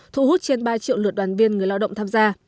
thu hút trên ba triệu lượt đoàn viên người lao động tham gia